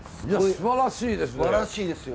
すばらしいですよ。